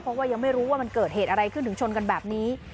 เพราะว่ายังไม่รู้ว่ามันเกิดเหตุอะไรขึ้นถึงชนกันแบบนี้